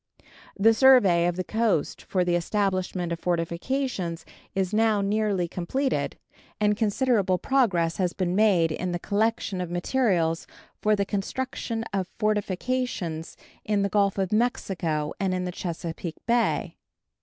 The survey of the coast for the establishment of fortifications is now nearly completed, and considerable progress has been made in the collection of materials for the construction of fortifications in the Gulf of Mexico and in the Chesapeake Bay.